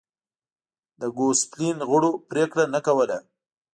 د ګوسپلین غړو پرېکړه نه کوله.